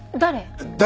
誰！？